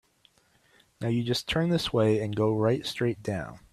Now you just turn this way and go right straight down.